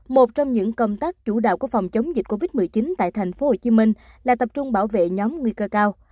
một trong những công tác chủ đạo của phòng chống dịch covid một mươi chín tại tp hcm là tập trung bảo vệ nhóm nguy cơ cao